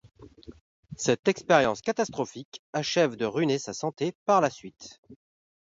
Cette expérience catastrophique achève de ruiner sa santé par la suite.